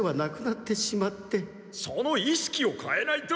その意識を変えないと！